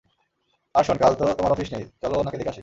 আর শোন, কাল তো তোমার অফিস নেই, চল ওনাকে দেখে আসি।